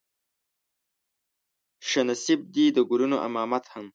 شه نصيب دې د ګلونو امامت هم